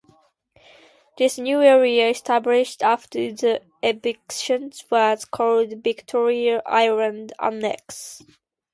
This new area established after the evictions was called Victoria Island Annex.